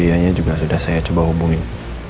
ianya juga sudah saya coba hubungin